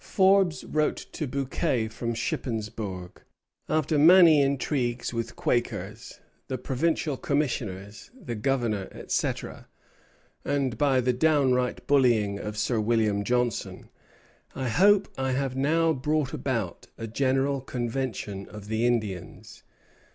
Forbes wrote to Bouquet from Shippensburg: "After many intrigues with Quakers, the Provincial Commissioners, the Governor, etc., and by the downright bullying of Sir William Johnson, I hope I have now brought about a general convention of the Indians."